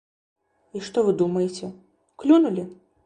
І што вы думаеце, клюнулі.